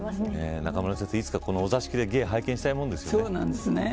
中村先生、いつかお座敷で芸を拝見したいものですね。